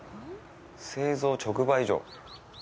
製材直売所。